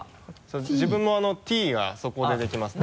自分も「Ｔ」がそこでできますね。